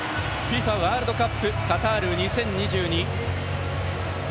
ワールドカップカタール２０２２。